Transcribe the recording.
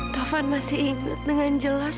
kafan masih ingat dengan jelas